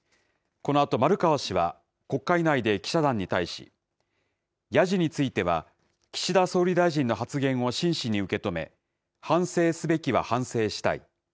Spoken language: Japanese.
このあと、丸川氏は、国会内で記者団に対し、ヤジについては、岸田総理大臣の発言を真摯に受け止め、反省すべきは反省したい。